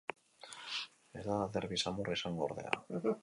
Ez da derbi samurra izango, ordea.